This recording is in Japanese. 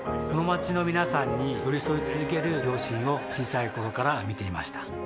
この街の皆さんに寄り添い続ける両親を小さい頃から見ていました